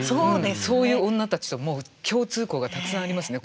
そういう女たちともう共通項がたくさんありますね